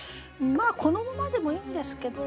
このままでもいいんですけど。